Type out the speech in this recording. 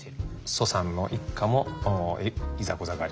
蘇さんの一家もいざこざがあります。